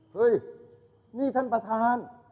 เฮ้ยนี่ท่านประธาน